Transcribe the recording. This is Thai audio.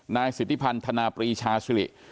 นายสิทธิพันธนาปรีชาสิริ